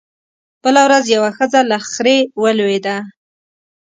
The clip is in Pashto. بله ورځ يوه ښځه له خرې ولوېده